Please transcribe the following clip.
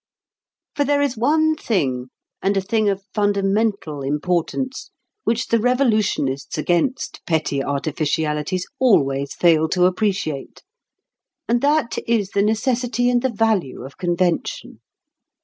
For there is one thing, and a thing of fundamental importance, which the revolutionists against petty artificialities always fail to appreciate, and that is the necessity and the value of convention.